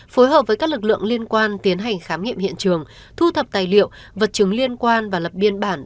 phối hợp với các lực lượng liên quan tiến hành khám nghiệm hiện trường thu thập tài liệu vật chứng liên quan và lập biên bản